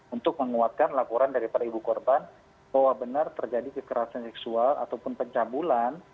untuk menguatkan laporan daripada ibu korban bahwa benar terjadi kekerasan seksual ataupun pencabulan